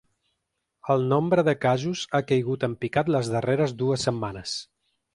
El nombre de casos ha caigut en picat les darreres dues setmanes.